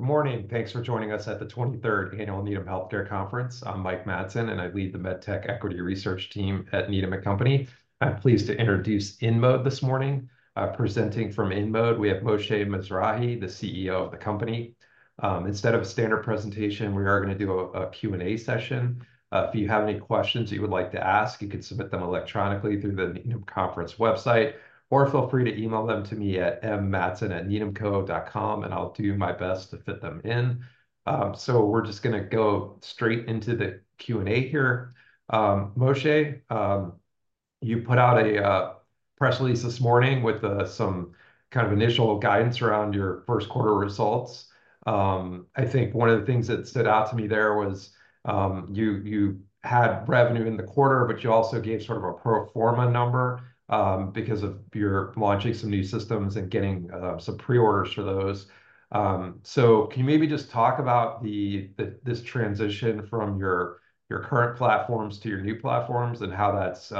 Good morning. Thanks for joining us at the 23rd Annual Needham Healthcare Conference. I'm Mike Matson, and I lead the MedTech Equity Research Team at Needham & Company. I'm pleased to introduce InMode this morning. Presenting from InMode, we have Moshe Mizrahy, the CEO of the company. Instead of a standard presentation, we are going to do a Q&A session. If you have any questions that you would like to ask, you can submit them electronically through the Needham Conference website, or feel free to email them to me at mmatson@needhamco.com, and I'll do my best to fit them in. So we're just going to go straight into the Q&A here. Moshe, you put out a press release this morning with some kind of initial guidance around your first quarter results. I think one of the things that stood out to me there was you had revenue in the quarter, but you also gave sort of a pro forma number because of your launching some new systems and getting some pre-orders for those. So can you maybe just talk about this transition from your current platforms to your new platforms and how that's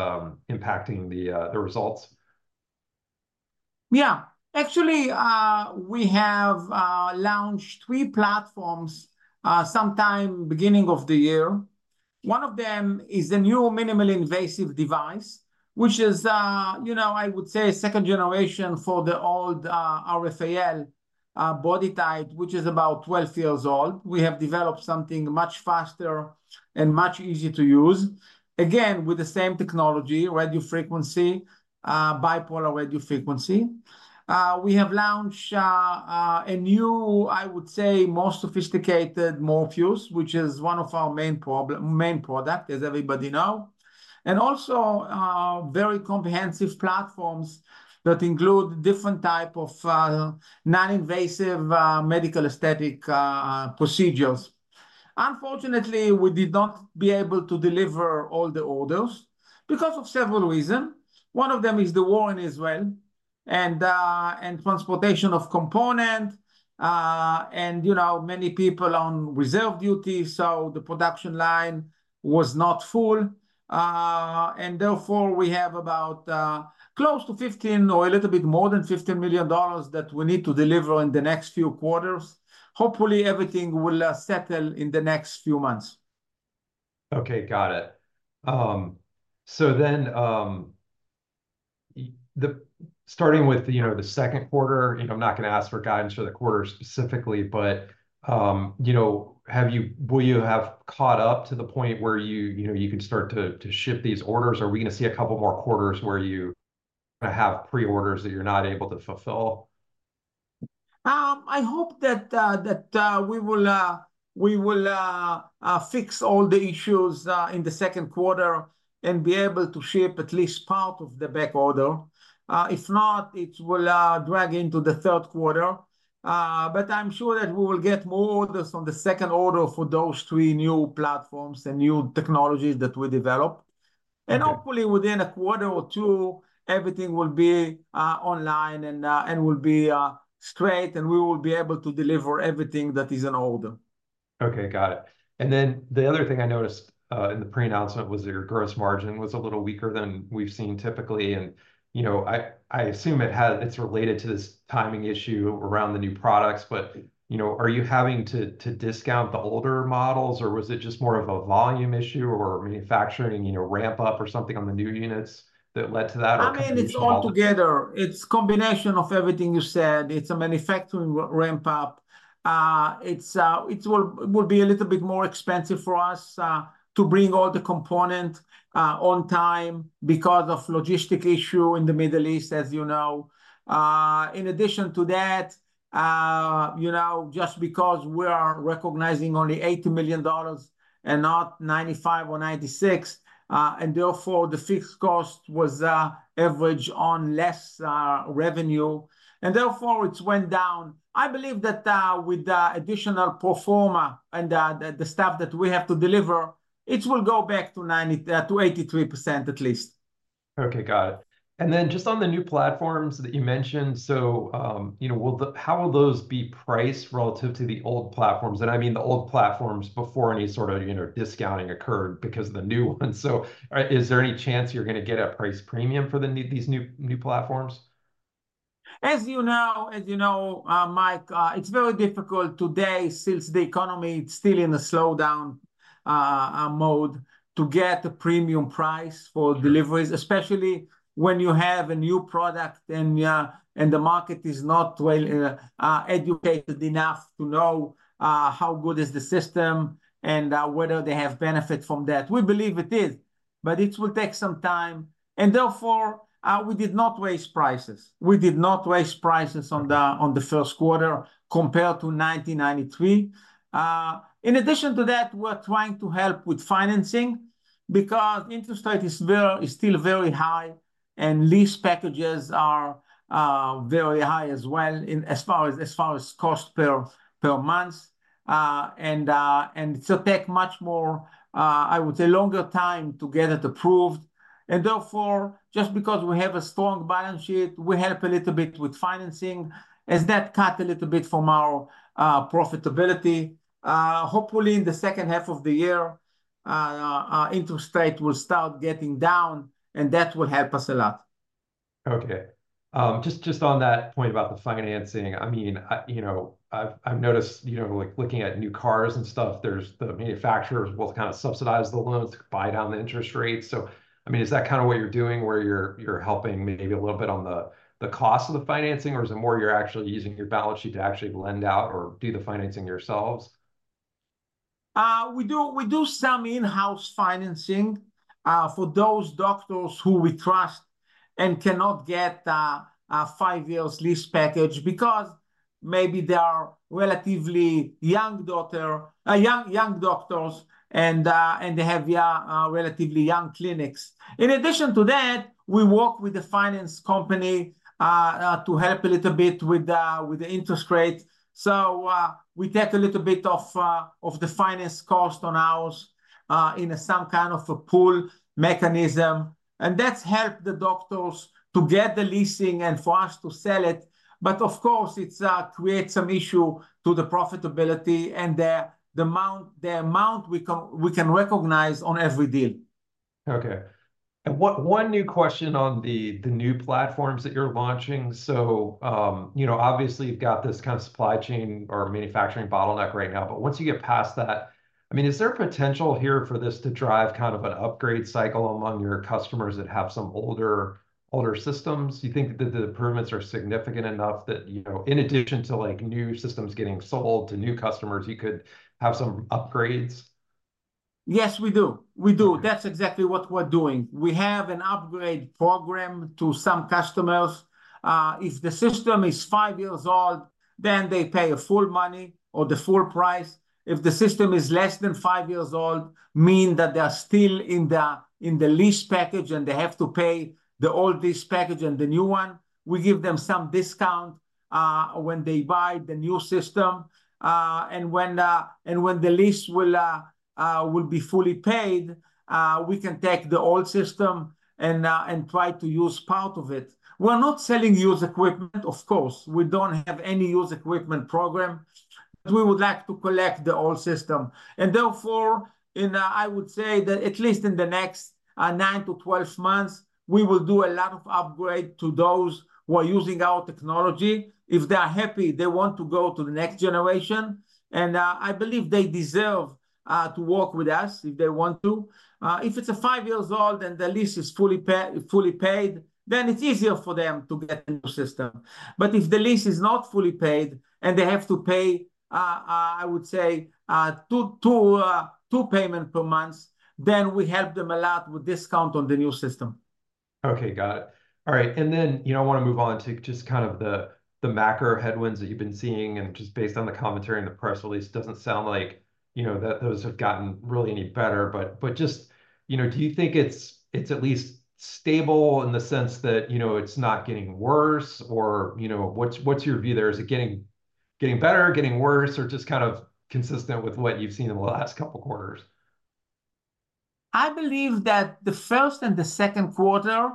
impacting the results? Yeah. Actually, we have launched three platforms sometime beginning of the year. One of them is the new minimally invasive device, which is, you know, I would say second generation for the old RFAL BodyTite, which is about 12 years old. We have developed something much faster and much easier to use, again, with the same technology, radio frequency, bipolar radio frequency. We have launched a new, I would say, more sophisticated Morpheus, which is one of our main products, as everybody knows, and also very comprehensive platforms that include different types of non-invasive medical aesthetic procedures. Unfortunately, we did not be able to deliver all the orders because of several reasons. One of them is the war in Israel and transportation of components, and, you know, many people on reserve duty, so the production line was not full. Therefore, we have about close to 15 or a little bit more than $15 million that we need to deliver in the next few quarters. Hopefully, everything will settle in the next few months. Okay. Got it. So then, starting with, you know, the second quarter, you know, I'm not going to ask for guidance for the quarter specifically, but, you know, will you have caught up to the point where you can start to ship these orders? Are we going to see a couple more quarters where you're going to have pre-orders that you're not able to fulfill? I hope that we will fix all the issues in the second quarter and be able to ship at least part of the back order. If not, it will drag into the third quarter. But I'm sure that we will get more orders on the second quarter for those three new platforms and new technologies that we develop. And hopefully, within a quarter or two, everything will be online and will be straight, and we will be able to deliver everything that is an order. Okay. Got it. And then the other thing I noticed in the pre-announcement was that your gross margin was a little weaker than we've seen typically. And, you know, I assume it's related to this timing issue around the new products. But, you know, are you having to discount the older models, or was it just more of a volume issue or manufacturing, you know, ramp-up or something on the new units that led to that, or could it be? I mean, it's altogether. It's a combination of everything you said. It's a manufacturing ramp-up. It will be a little bit more expensive for us to bring all the components on time because of logistic issues in the Middle East, as you know. In addition to that, you know, just because we are recognizing only $80 million and not 95 or 96, and therefore the fixed cost was averaged on less revenue, and therefore it went down. I believe that with the additional pro forma and the stuff that we have to deliver, it will go back to 83% at least. Okay. Got it. And then just on the new platforms that you mentioned, so, you know, how will those be priced relative to the old platforms? And I mean the old platforms before any sort of, you know, discounting occurred because of the new ones. So is there any chance you're going to get a price premium for these new platforms? As you know, as you know, Mike, it's very difficult today since the economy is still in a slowdown mode to get a premium price for deliveries, especially when you have a new product and the market is not well educated enough to know how good is the system and whether they have benefit from that. We believe it is, but it will take some time. And therefore, we did not raise prices. We did not raise prices on the first quarter compared to 2023. In addition to that, we're trying to help with financing because interest rate is still very high, and lease packages are very high as well as far as cost per month. And it will take much more, I would say, longer time to get it approved. Therefore, just because we have a strong balance sheet, we help a little bit with financing, as that cuts a little bit from our profitability. Hopefully, in the second half of the year, interest rate will start getting down, and that will help us a lot. Okay. Just on that point about the financing, I mean, you know, I've noticed, you know, looking at new cars and stuff, the manufacturers will kind of subsidize the loans to buy down the interest rates. So, I mean, is that kind of what you're doing, where you're helping maybe a little bit on the cost of the financing, or is it more you're actually using your balance sheet to actually lend out or do the financing yourselves? We do some in-house financing for those doctors who we trust and cannot get a five-year lease package because maybe they are relatively young doctors, and they have relatively young clinics. In addition to that, we work with the finance company to help a little bit with the interest rate. So we take a little bit of the finance cost on ours in some kind of a pool mechanism, and that helps the doctors to get the leasing and for us to sell it. But of course, it creates some issues to the profitability and the amount we can recognize on every deal. Okay. One new question on the new platforms that you're launching. So, you know, obviously, you've got this kind of supply chain or manufacturing bottleneck right now. But once you get past that, I mean, is there potential here for this to drive kind of an upgrade cycle among your customers that have some older systems? Do you think that the improvements are significant enough that, you know, in addition to new systems getting sold to new customers, you could have some upgrades? Yes, we do. We do. That's exactly what we're doing. We have an upgrade program to some customers. If the system is five years old, then they pay full money or the full price. If the system is less than five years old, meaning that they are still in the lease package and they have to pay the old lease package and the new one, we give them some discount when they buy the new system. And when the lease will be fully paid, we can take the old system and try to use part of it. We're not selling used equipment, of course. We don't have any used equipment program. But we would like to collect the old system. And therefore, I would say that at least in the next 9-12 months, we will do a lot of upgrades to those who are using our technology. If they are happy, they want to go to the next generation. And I believe they deserve to work with us if they want to. If it's five years old and the lease is fully paid, then it's easier for them to get the new system. But if the lease is not fully paid and they have to pay, I would say, two payments per month, then we help them a lot with discount on the new system. Okay. Got it. All right. And then, you know, I want to move on to just kind of the macro headwinds that you've been seeing. And just based on the commentary and the press release, it doesn't sound like, you know, that those have gotten really any better. But just, you know, do you think it's at least stable in the sense that, you know, it's not getting worse? Or, you know, what's your view there? Is it getting better, getting worse, or just kind of consistent with what you've seen in the last couple of quarters? I believe that the first and the second quarter,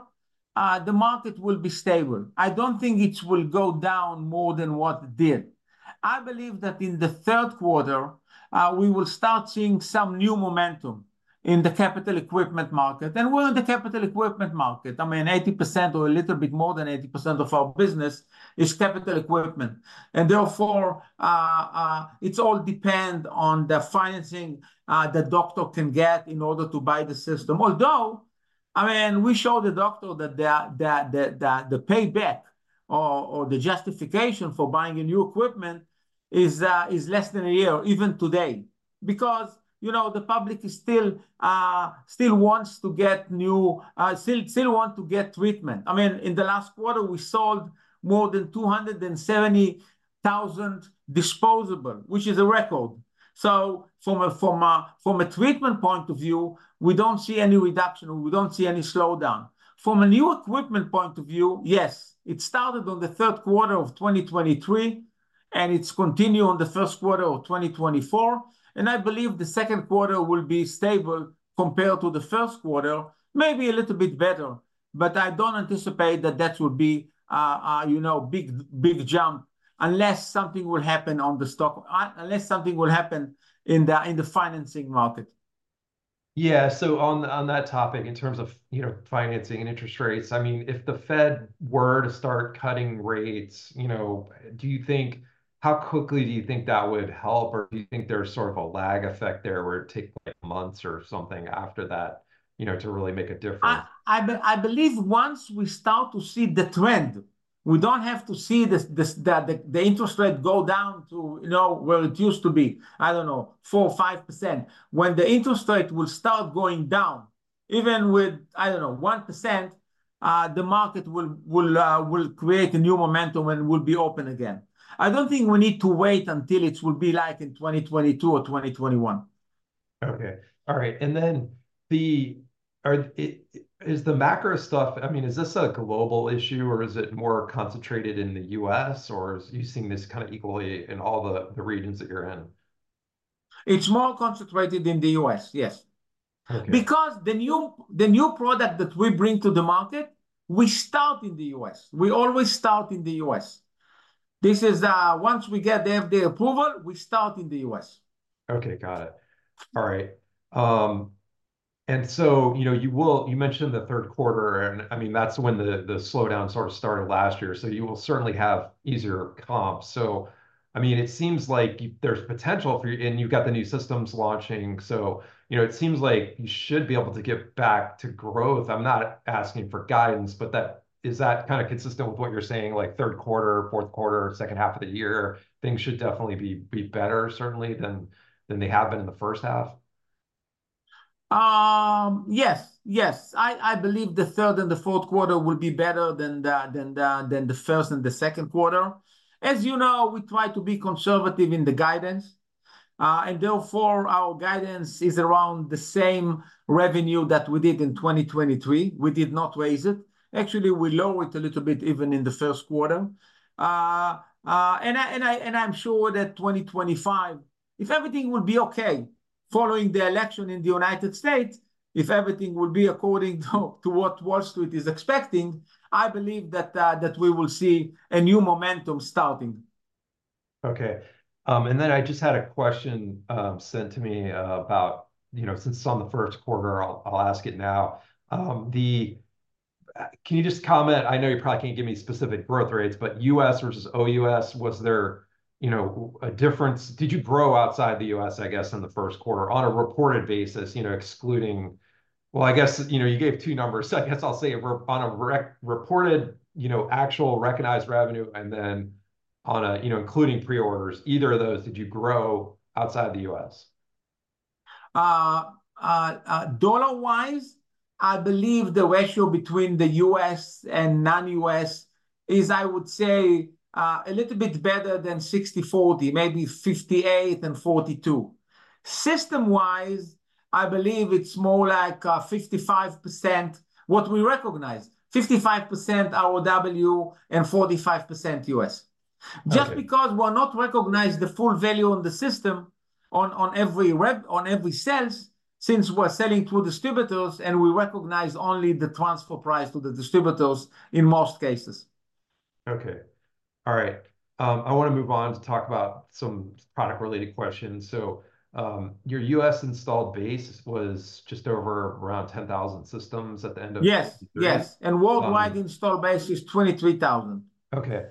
the market will be stable. I don't think it will go down more than what it did. I believe that in the third quarter, we will start seeing some new momentum in the capital equipment market. We're in the capital equipment market. I mean, 80% or a little bit more than 80% of our business is capital equipment. Therefore, it all depends on the financing the doctor can get in order to buy the system. Although, I mean, we show the doctor that the payback or the justification for buying a new equipment is less than a year, even today, because, you know, the public still wants to get new, still wants to get treatment. I mean, in the last quarter, we sold more than 270,000 disposables, which is a record. From a treatment point of view, we don't see any reduction or we don't see any slowdown. From a new equipment point of view, yes, it started on the third quarter of 2023, and it's continuing on the first quarter of 2024. I believe the second quarter will be stable compared to the first quarter, maybe a little bit better. But I don't anticipate that that will be, you know, a big jump unless something will happen on the stock, unless something will happen in the financing market. Yeah. So on that topic, in terms of, you know, financing and interest rates, I mean, if the Fed were to start cutting rates, you know, do you think how quickly do you think that would help? Or do you think there's sort of a lag effect there where it takes months or something after that, you know, to really make a difference? I believe once we start to see the trend, we don't have to see the interest rate go down to, you know, where it used to be, I don't know, 4%, 5%. When the interest rate will start going down, even with, I don't know, 1%, the market will create a new momentum and will be open again. I don't think we need to wait until it will be like in 2022 or 2021. Okay. All right. And then is the macro stuff, I mean, is this a global issue, or is it more concentrated in the U.S., or are you seeing this kind of equally in all the regions that you're in? It's more concentrated in the U.S., yes. Because the new product that we bring to the market, we start in the U.S. We always start in the U.S. Once we get the approval, we start in the U.S. Okay. Got it. All right. And so, you know, you mentioned the third quarter, and I mean, that's when the slowdown sort of started last year. So you will certainly have easier comps. So, I mean, it seems like there's potential for you, and you've got the new systems launching. So, you know, it seems like you should be able to get back to growth. I'm not asking for guidance, but is that kind of consistent with what you're saying, like third quarter, fourth quarter, second half of the year, things should definitely be better, certainly, than they have been in the first half? Yes. Yes. I believe the third and the fourth quarter will be better than the first and the second quarter. As you know, we try to be conservative in the guidance. Therefore, our guidance is around the same revenue that we did in 2023. We did not raise it. Actually, we lowered it a little bit even in the first quarter. I'm sure that 2025, if everything will be okay following the election in the United States, if everything will be according to what Wall Street is expecting, I believe that we will see a new momentum starting. Okay. And then I just had a question sent to me about, you know, since it's on the first quarter, I'll ask it now. Can you just comment? I know you probably can't give me specific growth rates, but U.S. versus OUS, was there, you know, a difference? Did you grow outside the U.S., I guess, in the first quarter on a reported basis, you know, excluding well, I guess, you know, you gave two numbers. So I guess I'll say on a reported, you know, actual recognized revenue and then on a, you know, including pre-orders, either of those, did you grow outside the U.S.? Dollar-wise, I believe the ratio between the US and non-US is, I would say, a little bit better than 60/40, maybe 58/42. System-wise, I believe it's more like 55% ROW and 45% US. Just because we're not recognizing the full value on the system on every sales since we're selling to distributors and we recognize only the transfer price to the distributors in most cases. Okay. All right. I want to move on to talk about some product-related questions. Your U.S. installed base was just over around 10,000 systems at the end of. Yes. Yes. And worldwide installed base is 23,000. Okay.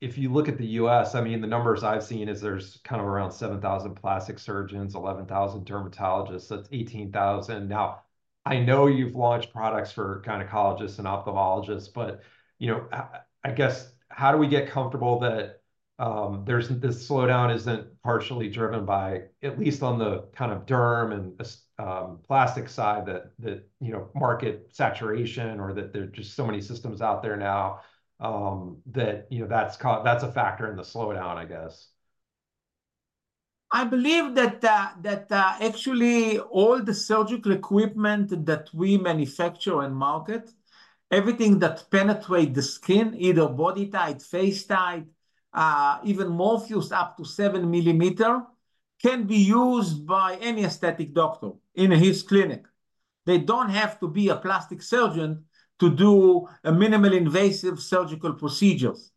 If you look at the U.S., I mean, the numbers I've seen is there's kind of around 7,000 plastic surgeons, 11,000 dermatologists. That's 18,000. Now, I know you've launched products for gynecologists and ophthalmologists, but, you know, I guess how do we get comfortable that this slowdown isn't partially driven by, at least on the kind of derm and plastic side, that, you know, market saturation or that there are just so many systems out there now that, you know, that's a factor in the slowdown, I guess? I believe that actually all the surgical equipment that we manufacture and market, everything that penetrates the skin, either BodyTite, FaceTite, even Morpheus8 up to 7 millimeters, can be used by any aesthetic doctor in his clinic. They don't have to be a plastic surgeon to do minimally invasive surgical procedures.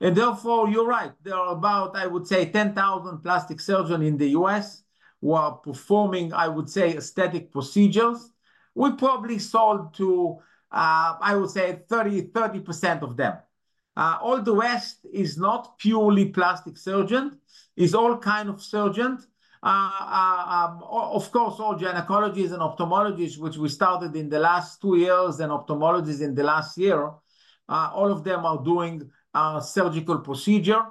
And therefore, you're right. There are about, I would say, 10,000 plastic surgeons in the U.S. who are performing, I would say, aesthetic procedures. We probably sold to, I would say, 30% of them. All the rest is not purely plastic surgeon. It's all kind of surgeon. Of course, all gynecologists and ophthalmologists, which we started in the last two years and ophthalmologists in the last year, all of them are doing surgical procedures,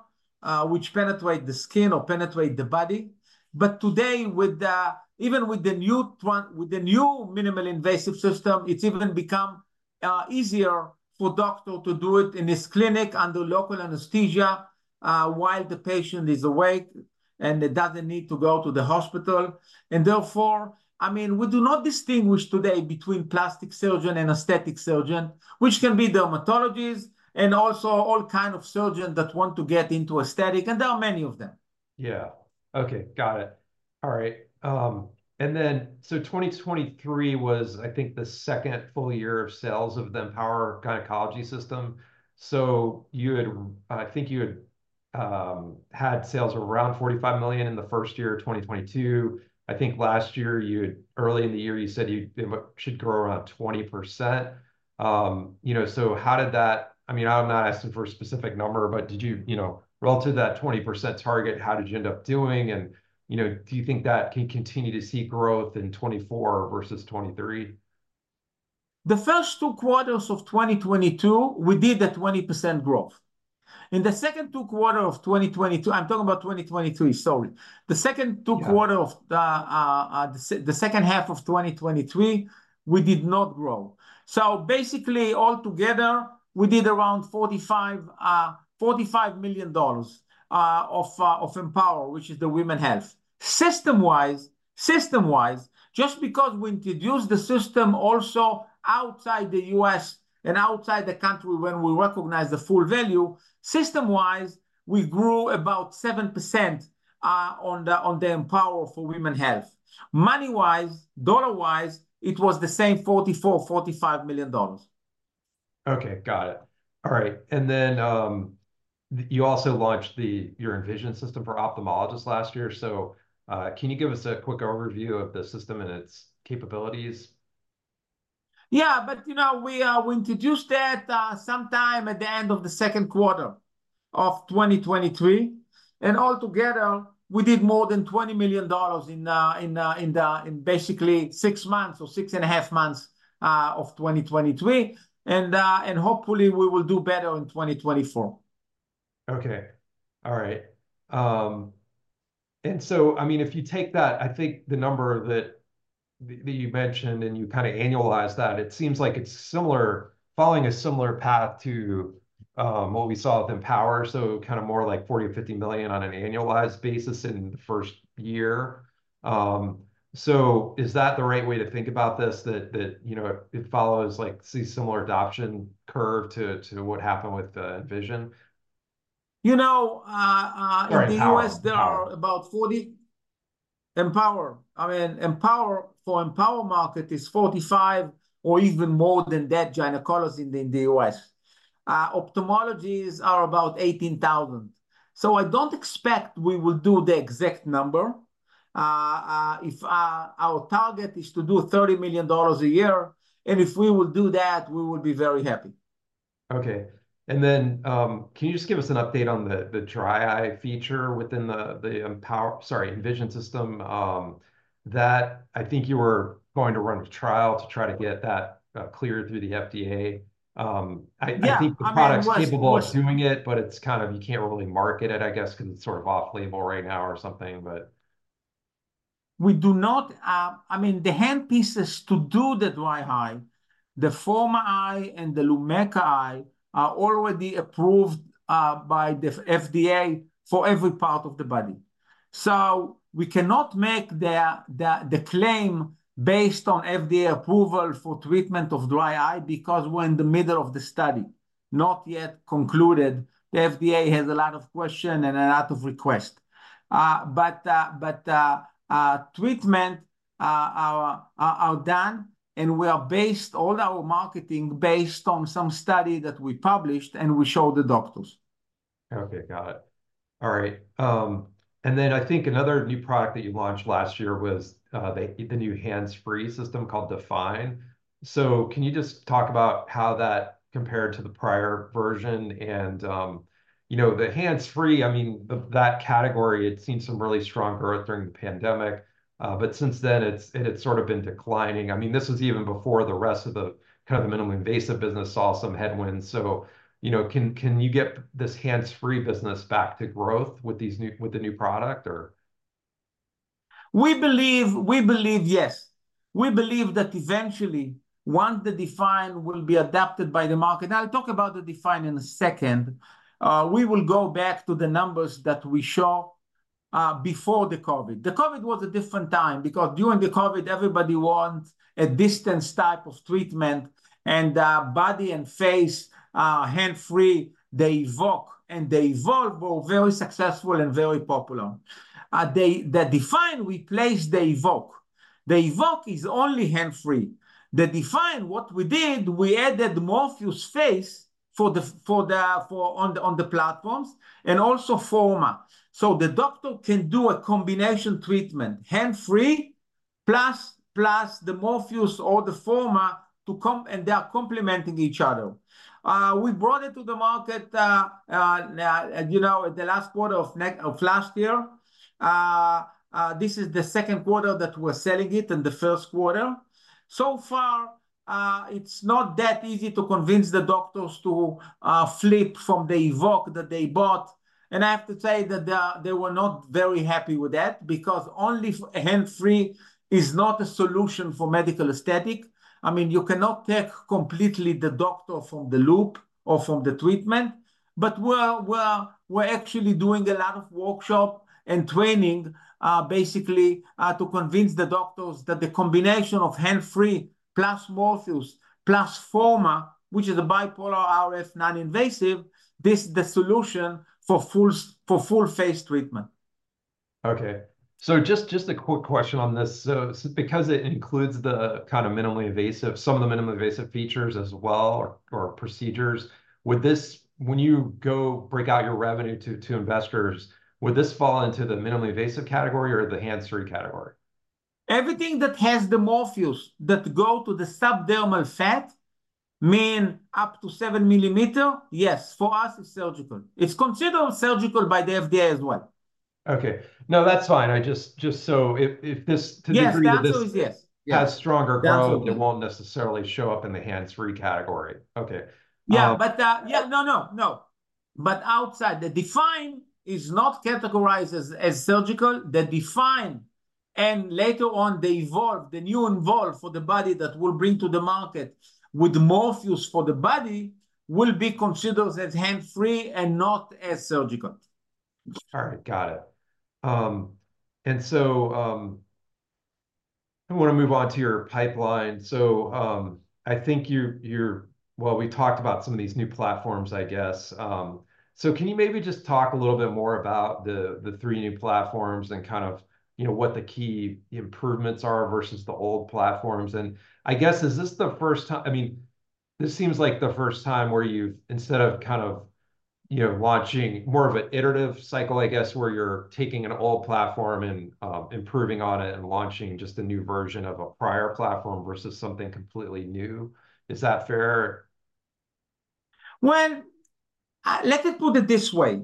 which penetrate the skin or penetrate the body. Today, even with the new minimally invasive system, it's even become easier for doctors to do it in his clinic under local anesthesia while the patient is awake and it doesn't need to go to the hospital. Therefore, I mean, we do not distinguish today between plastic surgeon and aesthetic surgeon, which can be dermatologists and also all kinds of surgeons that want to get into aesthetic. There are many of them. Yeah. Okay. Got it. All right. And then so 2023 was, I think, the second full year of sales of the Empower gynecology system. So I think you had sales around $45 million in the first year of 2022. I think last year, early in the year, you said you should grow around 20%. You know, so how did that? I mean, I'm not asking for a specific number, but did you, you know, relative to that 20% target, how did you end up doing? And, you know, do you think that can continue to see growth in 2024 versus 2023? The first two quarters of 2022, we did a 20% growth. In the second two quarters of 2022, I'm talking about 2023, sorry. The second two quarters of the second half of 2023, we did not grow. So basically, altogether, we did around $45 million of Empower, which is the women's health. System-wise, just because we introduced the system also outside the US and outside the country when we recognized the full value, system-wise, we grew about 7% on the Empower for women's health. Money-wise, dollar-wise, it was the same $44-$45 million. Okay. Got it. All right. And then you also launched your Envision system for ophthalmologists last year. So can you give us a quick overview of the system and its capabilities? Yeah. But, you know, we introduced that sometime at the end of the second quarter of 2023. And altogether, we did more than $20 million in basically six months or six and a half months of 2023. And hopefully, we will do better in 2024. Okay. All right. So, I mean, if you take that, I think the number that you mentioned and you kind of annualize that, it seems like it's following a similar path to what we saw with Empower. So kind of more like $40 million or $50 million on an annualized basis in the first year. So is that the right way to think about this, that, you know, it follows like a similar adoption curve to what happened with Envision? You know, in the U.S., there are about 40 Empower. I mean, for Empower market, it's 45 or even more than that gynecologists in the U.S. Ophthalmologists are about 18,000. So I don't expect we will do the exact number. If our target is to do $30 million a year, and if we will do that, we will be very happy. Okay. And then can you just give us an update on the dry eye feature within the Empower, sorry, Envision system? I think you were going to run a trial to try to get that cleared through the FDA. I think the product's capable of doing it, but it's kind of you can't really market it, I guess, because it's sort of off-label right now or something, but. We do not. I mean, the handpieces to do the dry eye, the Forma -I and the Lumecca-I are already approved by the FDA for every part of the body. So we cannot make the claim based on FDA approval for treatment of dry eye because we're in the middle of the study, not yet concluded. The FDA has a lot of questions and a lot of requests. But treatments are done, and we are based all our marketing based on some study that we published and we showed the doctors. Okay. Got it. All right. And then I think another new product that you launched last year was the new hands-free system called Define. So can you just talk about how that compared to the prior version? And, you know, the hands-free, I mean, that category, it's seen some really strong growth during the pandemic, but since then, it's sort of been declining. I mean, this was even before the rest of the kind of the minimally invasive business saw some headwinds. So, you know, can you get this hands-free business back to growth with the new product, or? We believe, yes. We believe that eventually, once the Define will be adopted by the market and I'll talk about the Define in a second. We will go back to the numbers that we showed before the COVID. The COVID was a different time because during the COVID, everybody wanted a distance type of treatment. And body and face, hands-free, they Evoke and they Evolve were very successful and very popular. The Define replaced the Evoke. The Evoke is only hands-free. The Define, what we did, we added Morpheus face for the platforms and also Forma. So the doctor can do a combination treatment, hands-free plus the Morpheus or the Forma, and they are complementing each other. We brought it to the market, you know, in the last quarter of last year. This is the second quarter that we're selling it in the first quarter. So far, it's not that easy to convince the doctors to flip from the Evoke that they bought. I have to say that they were not very happy with that because only hands-free is not a solution for medical aesthetics. I mean, you cannot take completely the doctor from the loop or from the treatment. We're actually doing a lot of workshops and training, basically, to convince the doctors that the combination of hands-free plus Morpheus plus Forma, which is a bipolar RF non-invasive, this is the solution for full face treatment. Okay. So just a quick question on this. So because it includes the kind of minimally invasive, some of the minimally invasive features as well or procedures, would this when you go break out your revenue to investors, would this fall into the minimally invasive category or the hands-free category? Everything that has the Morpheus that goes to the subdermal fat, meaning up to 7 mm, yes, for us, it's surgical. It's considered surgical by the FDA as well. Okay. No, that's fine. Just so, if this to the degree that this has stronger growth, it won't necessarily show up in the hands-free category. Okay. Yeah. But yeah, no, no, no. But outside, the Define is not categorized as surgical. The Define and later on, the Evolve, the new Evolve for the body that will bring to the market with Morpheus for the body will be considered as hands-free and not as surgical. All right. Got it. And so I want to move on to your pipeline. So I think, well, we talked about some of these new platforms, I guess. So can you maybe just talk a little bit more about the three new platforms and kind of, you know, what the key improvements are versus the old platforms? And I guess, is this the first time? I mean, this seems like the first time where you've, instead of kind of, you know, launching more of an iterative cycle, I guess, where you're taking an old platform and improving on it and launching just a new version of a prior platform versus something completely new. Is that fair? Well, let's put it this way.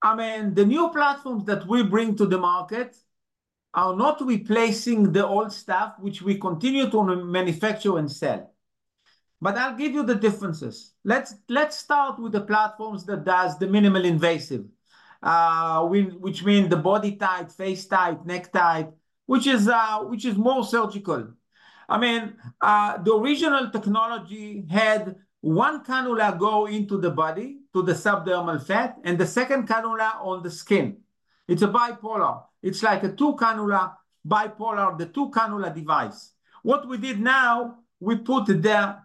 I mean, the new platforms that we bring to the market are not replacing the old stuff, which we continue to manufacture and sell. But I'll give you the differences. Let's start with the platforms that do the minimally invasive, which means the BodyTite, FaceTite, NeckTite, which is more surgical. I mean, the original technology had one cannula going into the body, to the subdermal fat, and the second cannula on the skin. It's a bipolar. It's like a two-cannula, bipolar, the two-cannula device. What we did now, we put the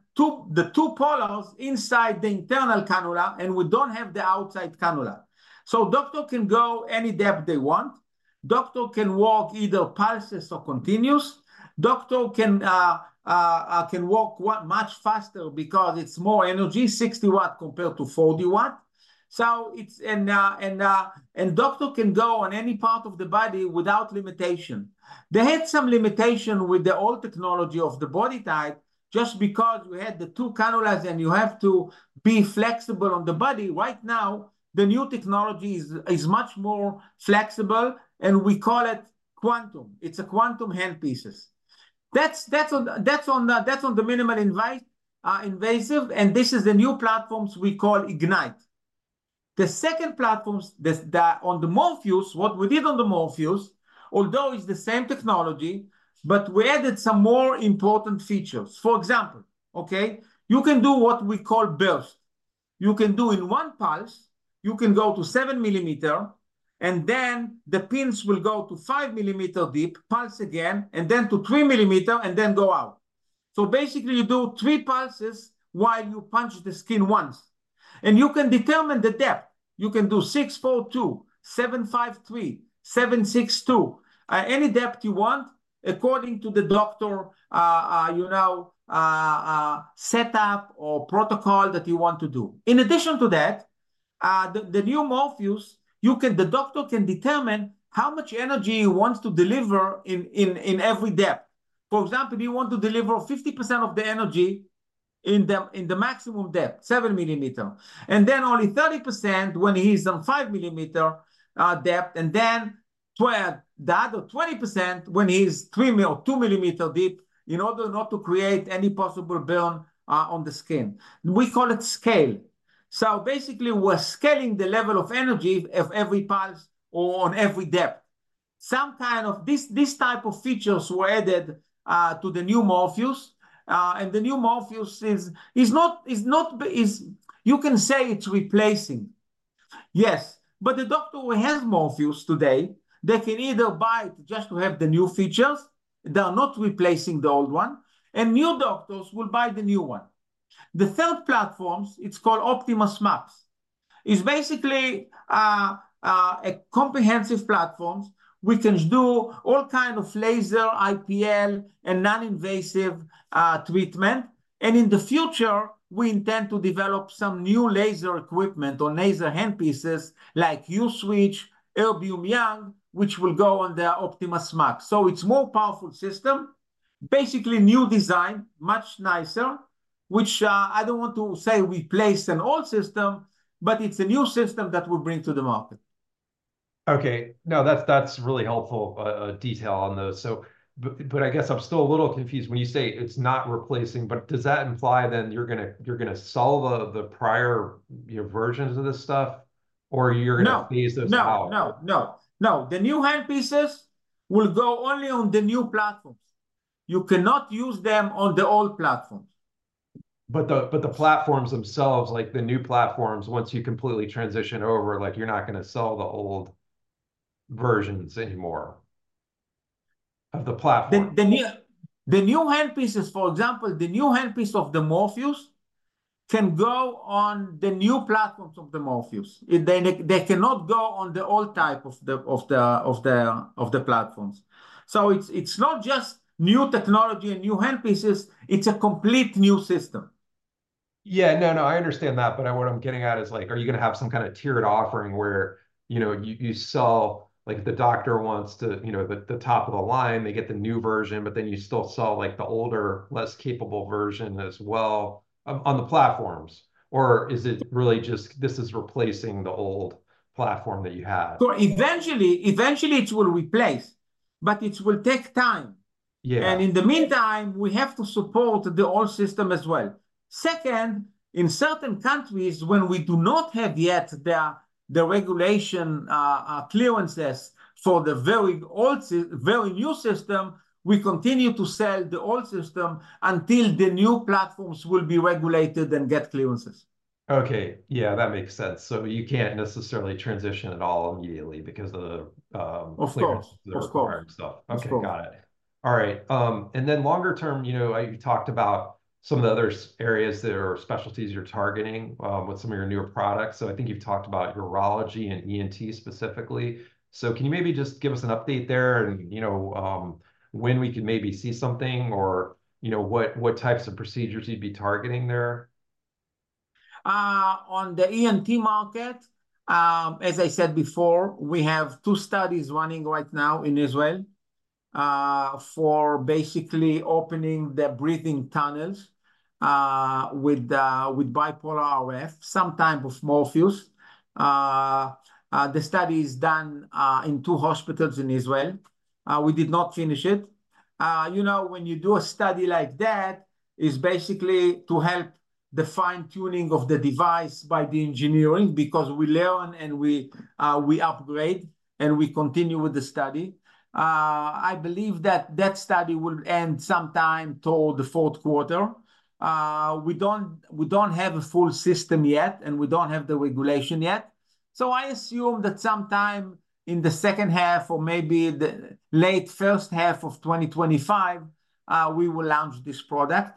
two polars inside the internal cannula, and we don't have the outside cannula. So doctor can go any depth they want. Doctor can walk either pulses or continuous. Doctor can walk much faster because it's more energy, 60 watts compared to 40 watts. So it's, and doctor can go on any part of the body without limitation. They had some limitation with the old technology of the BodyTite just because you had the two cannulas and you have to be flexible on the body. Right now, the new technology is much more flexible, and we call it Quantum. It's Quantum handpieces. That's on the minimally invasive, and this is the new platforms we call Ignite. The second platforms on the Morpheus, what we did on the Morpheus, although it's the same technology, but we added some more important features. For example, okay, you can do what we call Burst. You can do in one pulse, you can go to 7 millimeter, and then the pins will go to 5 millimeter deep, pulse again, and then to 3 millimeter, and then go out. So basically, you do 3 pulses while you punch the skin once. And you can determine the depth. You can do 642, 753, 762, any depth you want according to the doctor, you know, setup or protocol that you want to do. In addition to that, the new Morpheus, the doctor can determine how much energy he wants to deliver in every depth. For example, he wants to deliver 50% of the energy in the maximum depth, 7 millimeter, and then only 30% when he's on 5 millimeter depth, and then 12% or 20% when he's 2 millimeter deep in order not to create any possible burn on the skin. We call it scale. So basically, we're scaling the level of energy of every pulse or on every depth. Some kind of these type of features were added to the new Morpheus, and the new Morpheus is not you can say it's replacing. Yes. But the doctor who has Morpheus today, they can either buy it just to have the new features. They are not replacing the old one. And new doctors will buy the new one. The third platform, it's called OptimasMAX, is basically a comprehensive platform. We can do all kinds of laser, IPL, and non-invasive treatment. And in the future, we intend to develop some new laser equipment or laser handpieces like Q-Switch, Erbium-YAG, which will go on the OptimasMAX. So it's a more powerful system, basically new design, much nicer, which I don't want to say replaced an old system, but it's a new system that we bring to the market. Okay. No, that's really helpful detail on those. But I guess I'm still a little confused when you say it's not replacing, but does that imply then you're going to solve the prior versions of this stuff, or you're going to phase those out? No. No. No. No. The new handpieces will go only on the new platforms. You cannot use them on the old platforms. But the platforms themselves, like the new platforms, once you completely transition over, like you're not going to sell the old versions anymore of the platform? The new handpieces, for example, the new handpiece of the Morpheus can go on the new platforms of the Morpheus. They cannot go on the old type of the platforms. So it's not just new technology and new handpieces. It's a complete new system. Yeah. No, no. I understand that. But what I'm getting at is like, are you going to have some kind of tiered offering where, you know, you sell like if the doctor wants to, you know, the top of the line, they get the new version, but then you still sell like the older, less capable version as well on the platforms? Or is it really just this is replacing the old platform that you had? Eventually, it will replace, but it will take time. In the meantime, we have to support the old system as well. Second, in certain countries, when we do not have yet the regulatory clearances for the very new system, we continue to sell the old system until the new platforms will be regulated and get clearances. Okay. Yeah. That makes sense. So you can't necessarily transition at all immediately because of the clearances and the requirement stuff. Okay. Got it. All right. And then longer term, you know, you talked about some of the other areas that are specialties you're targeting with some of your newer products. So I think you've talked about urology and ENT specifically. So can you maybe just give us an update there and, you know, when we could maybe see something or, you know, what types of procedures you'd be targeting there? On the ENT market, as I said before, we have two studies running right now in Israel for basically opening the breathing tunnels with bipolar RF, some type of Morpheus. The study is done in two hospitals in Israel. We did not finish it. You know, when you do a study like that, it's basically to help the fine-tuning of the device by the engineering because we learn and we upgrade and we continue with the study. I believe that that study will end sometime toward the fourth quarter. We don't have a full system yet, and we don't have the regulation yet. So I assume that sometime in the second half or maybe the late first half of 2025, we will launch this product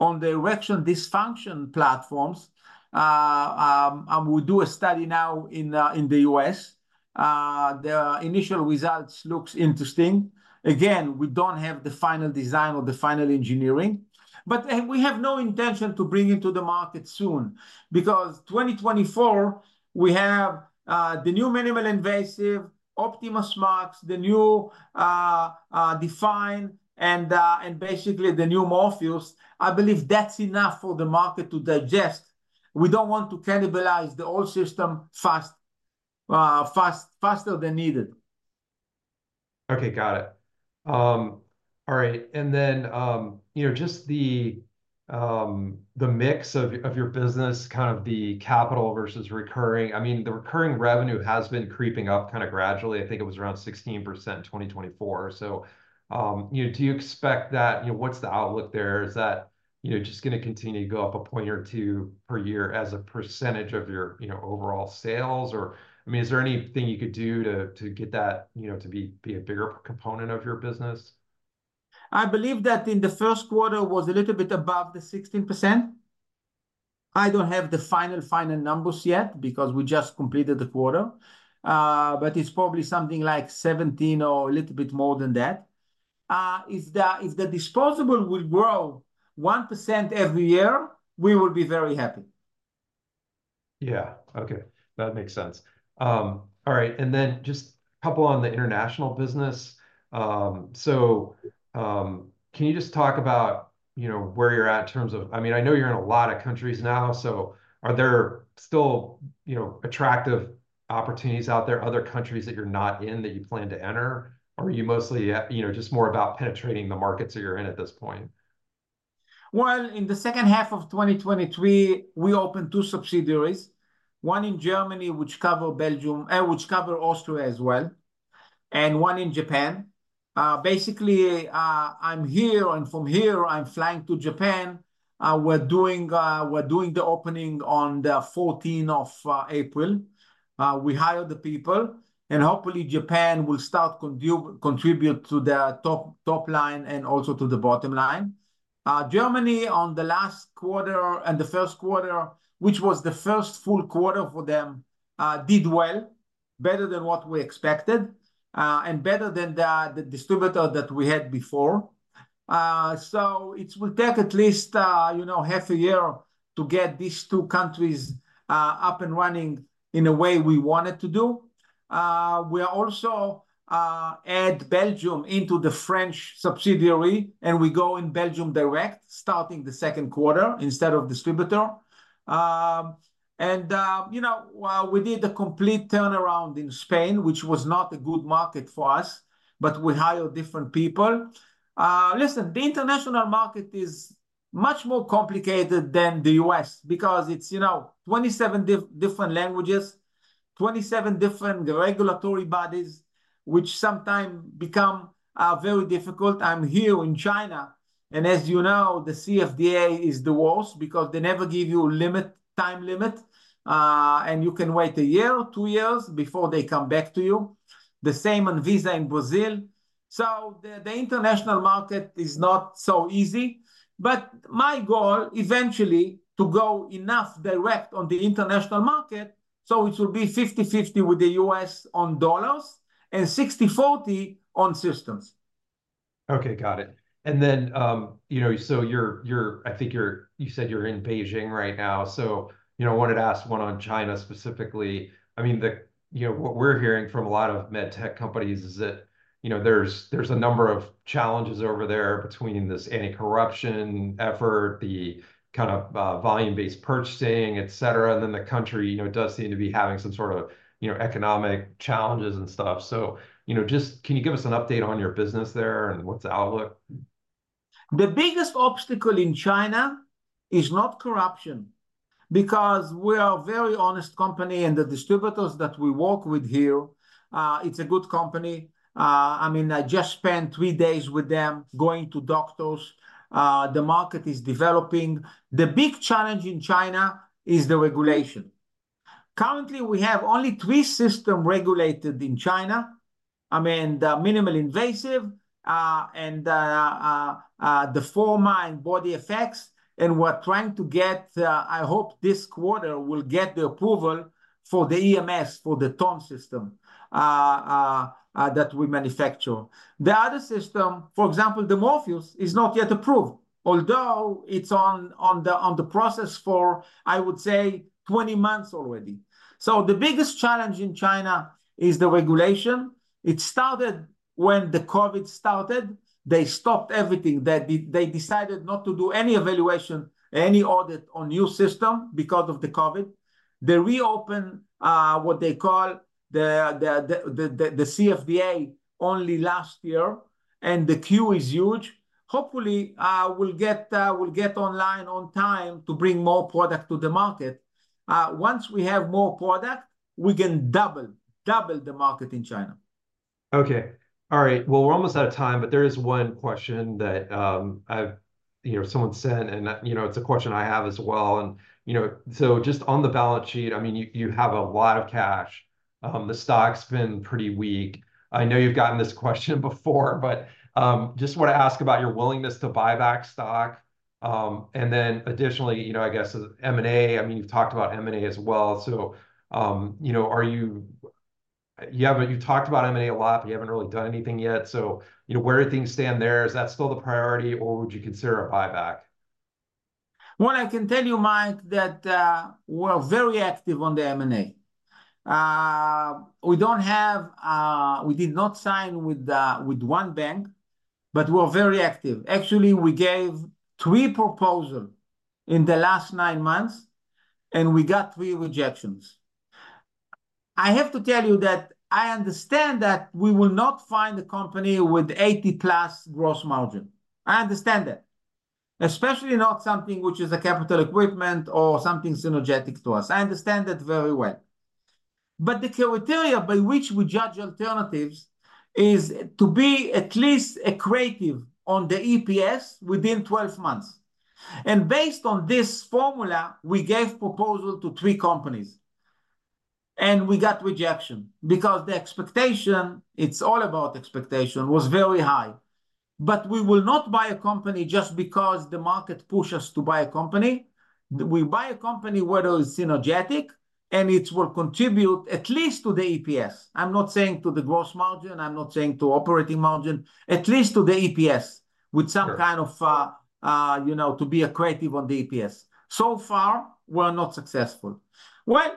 on the erectile dysfunction platforms. We do a study now in the U.S. The initial results look interesting. Again, we don't have the final design or the final engineering. But we have no intention to bring it to the market soon because 2024, we have the new minimally invasive OptimasMAX, the new Define, and basically the new Morpheus8. I believe that's enough for the market to digest. We don't want to cannibalize the old system faster than needed. Okay. Got it. All right. And then, you know, just the mix of your business, kind of the capital versus recurring, I mean, the recurring revenue has been creeping up kind of gradually. I think it was around 16% in 2024. So, you know, do you expect that, you know, what's the outlook there? Is that, you know, just going to continue to go up a point or two per year as a percentage of your, you know, overall sales? Or, I mean, is there anything you could do to get that, you know, to be a bigger component of your business? I believe that in the first quarter was a little bit above the 16%. I don't have the final, final numbers yet because we just completed the quarter. But it's probably something like 17 or a little bit more than that. If the disposable would grow 1% every year, we will be very happy. Yeah. Okay. That makes sense. All right. And then just a couple on the international business. So can you just talk about, you know, where you're at in terms of I mean, I know you're in a lot of countries now. So are there still, you know, attractive opportunities out there, other countries that you're not in that you plan to enter? Or are you mostly, you know, just more about penetrating the markets that you're in at this point? Well, in the second half of 2023, we opened two subsidiaries, one in Germany, which cover Belgium which cover Austria as well, and one in Japan. Basically, I'm here, and from here, I'm flying to Japan. We're doing the opening on the 14th of April. We hired the people, and hopefully, Japan will start to contribute to the top line and also to the bottom line. Germany, on the last quarter and the first quarter, which was the first full quarter for them, did well, better than what we expected and better than the distributor that we had before. So it will take at least, you know, half a year to get these two countries up and running in a way we wanted to do. We also add Belgium into the French subsidiary, and we go in Belgium direct, starting the second quarter instead of distributor. You know, we did a complete turnaround in Spain, which was not a good market for us, but we hired different people. Listen, the international market is much more complicated than the U.S. because it's, you know, 27 different languages, 27 different regulatory bodies, which sometimes become very difficult. I'm here in China. And as you know, the CFDA is the worst because they never give you a time limit, and you can wait a year, two years before they come back to you. The same ANVISA in Brazil. The international market is not so easy. But my goal, eventually, to go direct enough on the international market, so it will be 50/50 with the U.S. on dollars and 60/40 on systems. Okay. Got it. And then, you know, so you're, I think you said, you're in Beijing right now. So, you know, I wanted to ask one on China specifically. I mean, you know, what we're hearing from a lot of medtech companies is that, you know, there's a number of challenges over there between this anti-corruption effort, the kind of volume-based purchasing, etc. And then the country, you know, does seem to be having some sort of, you know, economic challenges and stuff. So, you know, just can you give us an update on your business there and what's the outlook? The biggest obstacle in China is not corruption because we are a very honest company, and the distributors that we work with here, it's a good company. I mean, I just spent 3 days with them going to doctors. The market is developing. The big challenge in China is the regulation. Currently, we have only 3 systems regulated in China. I mean, minimally invasive and the Forma and BodyFX, and we're trying to get. I hope this quarter we'll get the approval for the EMS for the Tone system that we manufacture. The other system, for example, the Morpheus, is not yet approved, although it's on the process for, I would say, 20 months already. So the biggest challenge in China is the regulation. It started when the COVID started. They stopped everything. They decided not to do any evaluation, any audit on new systems because of the COVID. They reopened what they call the CFDA only last year, and the queue is huge. Hopefully, we'll get online on time to bring more product to the market. Once we have more product, we can double, double the market in China. Okay. All right. Well, we're almost out of time, but there is one question that I've, you know, someone sent, and, you know, it's a question I have as well. And, you know, so just on the balance sheet, I mean, you have a lot of cash. The stock's been pretty weak. I know you've gotten this question before, but just want to ask about your willingness to buy back stock. And then additionally, you know, I guess, M&A, I mean, you've talked about M&A as well. So, you know, you talked about M&A a lot, but you haven't really done anything yet. So, you know, where do things stand there? Is that still the priority, or would you consider a buyback? Well, I can tell you, Mike, that we're very active on the M&A. We did not sign with one bank, but we're very active. Actually, we gave three proposals in the last nine months, and we got three rejections. I have to tell you that I understand that we will not find a company with 80+ gross margin. I understand that, especially not something which is a capital equipment or something synergetic to us. I understand that very well. But the criteria by which we judge alternatives is to be at least accretive on the EPS within 12 months. And based on this formula, we gave proposals to three companies. And we got rejection because the expectation, it's all about expectation, was very high. But we will not buy a company just because the market pushes us to buy a company. We buy a company whether it's synergistic and it will contribute at least to the EPS. I'm not saying to the gross margin. I'm not saying to operating margin, at least to the EPS with some kind of, you know, to be creative on the EPS. So far, we're not successful. Well,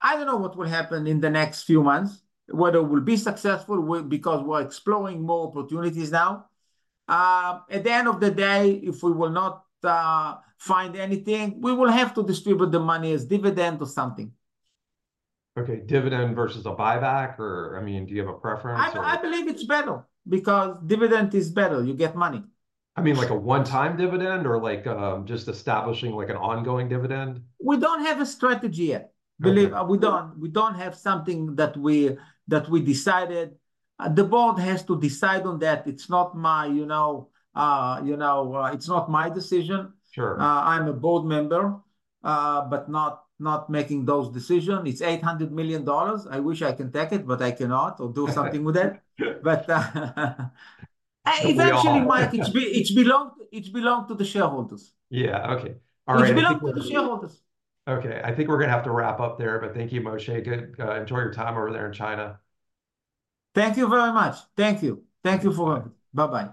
I don't know what will happen in the next few months, whether we'll be successful because we're exploring more opportunities now. At the end of the day, if we will not find anything, we will have to distribute the money as dividend or something. Okay. Dividend versus a buyback? Or, I mean, do you have a preference? I believe it's better because dividend is better. You get money. I mean, like a one-time dividend or like just establishing like an ongoing dividend? We don't have a strategy yet. I believe we don't. We don't have something that we decided. The board has to decide on that. It's not my, you know you know, it's not my decision. I'm a board member, but not making those decisions. It's $800 million. I wish I can take it, but I cannot or do something with it. But eventually, Mike, it belongs to the shareholders. Yeah. Okay. All right. It belongs to the shareholders. Okay. I think we're going to have to wrap up there, but thank you, Moshe. Good. Enjoy your time over there in China. Thank you very much. Thank you. Thank you for coming. Bye-bye.